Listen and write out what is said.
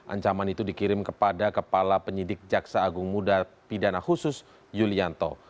ancaman itu dikirim kepada kepala penyidik jaksa agung muda pidana khusus yulianto